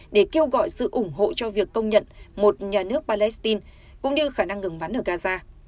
để kêu gọi sự ủng hộ cho việc công nhận một nhà nước palestine cũng như khả năng ngừng bắn ở gaza